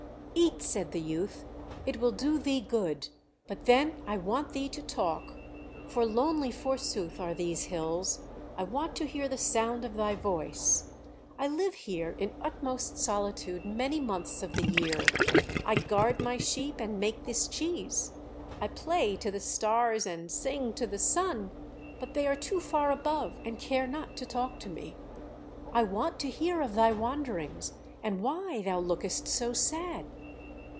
"Eat," said the youth, "it will do thee good; but then I want thee to talk, for lonely forsooth are these hills; I want to hear the sound of thy voice. I live here in utmost solitude many months of the year: I guard my sheep and make this cheese. I play to the stars and sing to the sun, but they are too far above and care not to talk to me: I want to hear of thy wanderings and why thou lookest so sad.